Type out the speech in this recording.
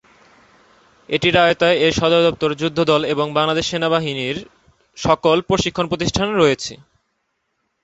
এটির আওতায় এর সদর দপ্তর, যুদ্ধ দল এবং বাংলাদেশ সেনাবাহিনীর সকল প্রশিক্ষণ প্রতিষ্ঠান রয়েছে।